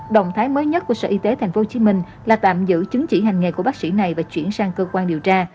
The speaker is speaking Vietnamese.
động thái mới nhất của sở y tế tp hcm là tạm giữ chứng chỉ hành nghề của bác sĩ này và chuyển sang cơ quan điều tra